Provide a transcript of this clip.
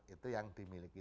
itu yang dimiliki